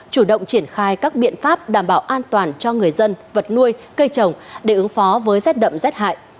chủ động triển khai các biện pháp đảm bảo an toàn cho người dân vật nuôi cây trồng để ứng phó với rét đậm rét hại